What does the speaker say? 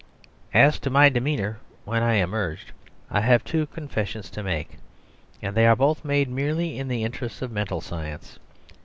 As to my demeanour when I emerged, I have two confessions to make, and they are both made merely in the interests of mental science.